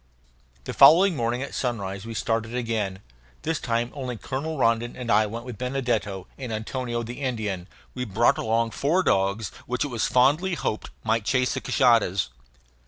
The following morning at sunrise we started again. This time only Colonel Rondon and I went with Benedetto and Antonio the Indian. We brought along four dogs which it was fondly hoped might chase the cashadas.